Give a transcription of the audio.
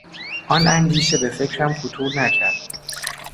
آن اندیشه به فکرم خطور نکرد.